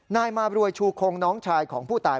นายมารวยชูคงน้องชายของผู้ตาย